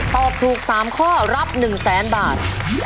ตอบถูก๓ข้อรับ๑๐๐๐๐๐บาท